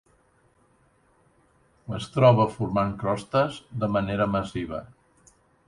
Es troba formant crostes, de manera massiva.